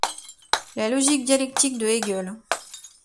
La logique dialectique de Hegel.